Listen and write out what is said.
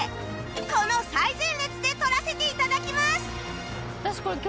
この最前列で撮らせて頂きます！